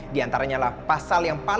diantaranya pasal yang paling diselenggarakan